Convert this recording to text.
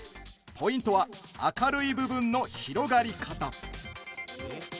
ポイントは明るい部分の広がり方。